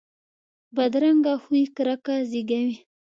بدرنګه خوی کرکه زیږوي